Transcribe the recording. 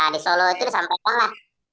di solo itu disampaikanlah